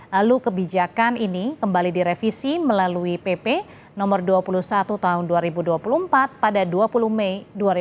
lalu kebijakan ini kembali direvisi melalui pp no dua puluh satu tahun dua ribu dua puluh empat pada dua puluh mei dua ribu dua puluh